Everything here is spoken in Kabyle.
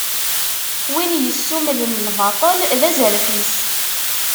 Win yessummlen lbaṭel, d azref-is.